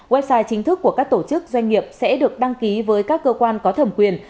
website chính thức của các tổ chức doanh nghiệp sẽ được đăng ký với các cơ quan có thẩm quyền